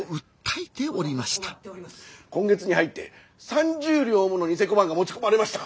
今月に入って三十両もの贋小判が持ち込まれました。